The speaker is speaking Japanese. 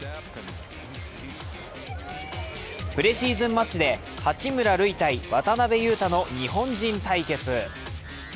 プレシーズンマッチで八村塁×渡邊雄太の日本人対決。